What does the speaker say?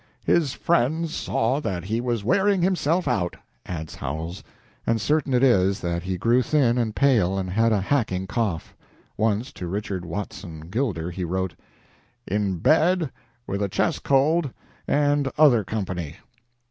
"His friends saw that he was wearing himself out," adds Howells, and certain it is that he grew thin and pale and had a hacking cough. Once to Richard Watson Gilder he wrote: "In bed with a chest cold and other company.